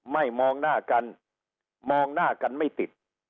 มองหน้ากันมองหน้ากันไม่ติด